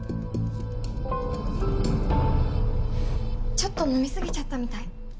ちょっと飲み過ぎちゃったみたい。